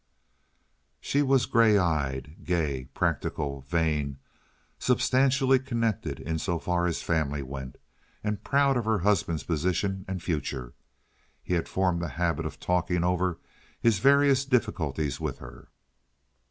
She was gray eyed, gay, practical, vain, substantially connected in so far as family went, and proud of her husband's position and future. He had formed the habit of talking over his various difficulties with her.